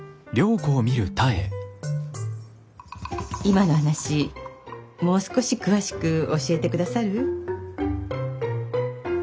今の話もう少し詳しく教えてくださる？